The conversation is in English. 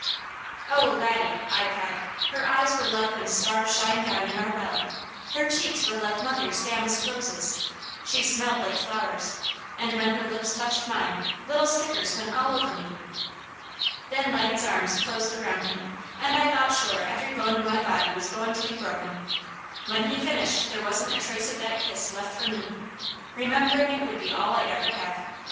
"Oh, Laddie," I cried. "Her eyes were like when stars shine down in our well! Her cheeks were like mother's damask roses! She smelled like flowers, and when her lips touched mine little stickers went all over me!" Then Laddie's arms closed around me and I thought sure every bone in my body was going to be broken; when he finished there wasn't a trace of that kiss left for me. Remembering it would be all I'd ever have.